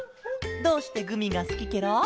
どうしてグミがすきケロ？